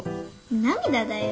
涙だよ。